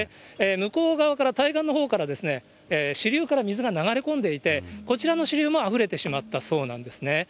向こう側から、対岸のほうから支流から水が流れ込んでいて、こちらの支流もあふれてしまったそうなんですね。